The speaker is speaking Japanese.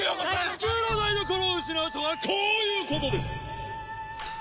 チキューの台所を失うとはこういうことです！